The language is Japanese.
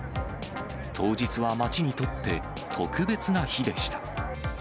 当日は街にとって特別な日でした。